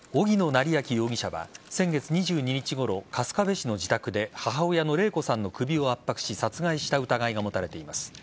成訓容疑者は先月２２日ごろ春日部市の自宅で母親の礼子さんの首を圧迫し殺害した疑いが持たれています。